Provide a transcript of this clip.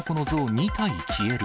２体消える。